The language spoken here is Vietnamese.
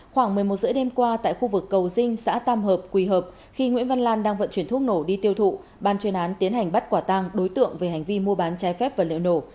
khoảng một mươi một h ba mươi đêm qua tại khu vực cầu dinh xã tam hợp quỳ hợp khi nguyễn văn lan đang vận chuyển thuốc nổ đi tiêu thụ ban chuyên án tiến hành bắt quả tang đối tượng về hành vi mua bán trái phép vật liệu nổ